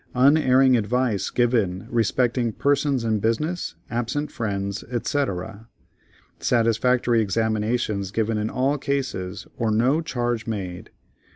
Unerring advice given respecting persons in business, absent friends, &c. Satisfactory examinations given in all cases, or no charge made.